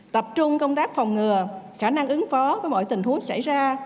tập trung công tác phòng ngừa khả năng ứng phó với mọi tình huống xảy ra